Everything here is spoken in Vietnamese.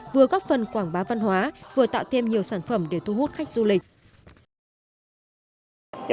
vừa góp phần quảng bá văn hóa vừa tạo thêm nhiều sản phẩm để thu hút khách du lịch